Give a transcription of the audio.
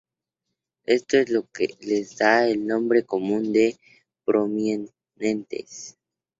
Esto es lo que les da el nombre común de "prominentes".